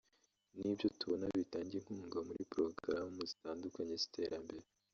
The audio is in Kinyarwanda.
nibyo tubona bitanga inkunga muri porogaramu zitandukanye z’iterambere